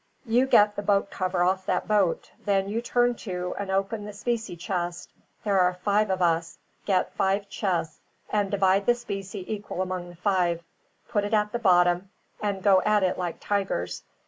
You get the boat cover off that boat; then you turn to and open the specie chest. There are five of us; get five chests, and divide the specie equal among the five put it at the bottom and go at it like tigers.